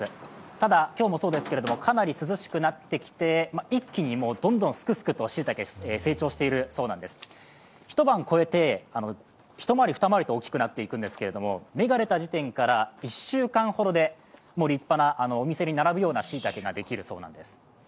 ただ今日もそうですけど、かなり涼しくなってきて、一気にどんどんすくすくとしいたけ、成長しているそうなんです、一晩超えて、一回り、二回りと大きくなったんですけど、芽が出た時点から１週間ほどで立派な、お店に並ぶようなしいたけができるそうなんです。